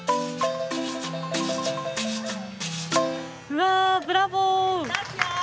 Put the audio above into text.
わブラボー！